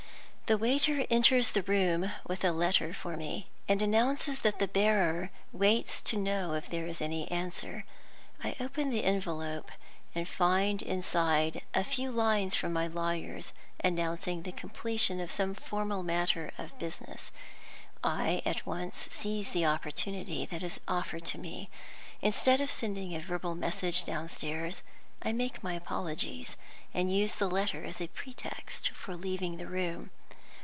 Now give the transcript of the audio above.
The waiter enters the room with a letter for me, and announces that the bearer waits to know if there is any answer. I open the envelope, and find inside a few lines from my lawyers, announcing the completion of some formal matter of business. I at once seize the opportunity that is offered to me. Instead of sending a verbal message downstairs, I make my apologies, and use the letter as a pretext for leaving the room.